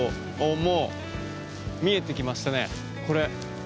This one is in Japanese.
もう見えてきましたね、これ。